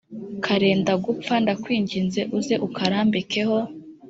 karenda gupfa ndakwinginze uze ukarambikeho